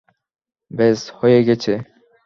ব্যস, হয়ে গেছে।